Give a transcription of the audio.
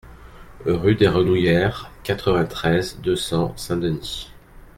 Rue des Renouillères, quatre-vingt-treize, deux cents Saint-Denis